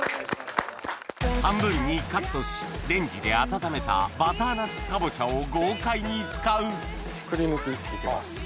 半分にカットしレンジで温めたバターナッツかぼちゃを豪快に使うくりぬきいきます。